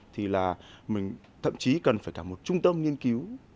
thì là mình thậm chí cần phải cả một trung tâm nghiên cứu